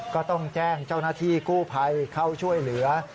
ก็ต้องแจ้งเจ้าหน้าที่กู้ภัยเข้าช่วยเหลือ